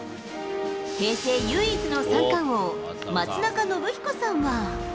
平成唯一の三冠王、松中信彦さんは。